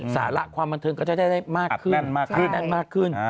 สาระความบันเทิงก็จะได้มากขึ้น